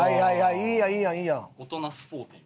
いいやんいいやんいいやん。